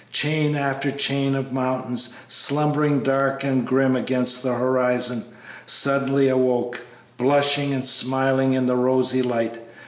Chain after chain of mountains, slumbering dark and grim against the horizon, suddenly awoke, blushing and smiling in the rosy light.